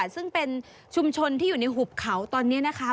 ซึ่งเป็นชุมชนที่อยู่ในหุบเขาตอนนี้นะคะ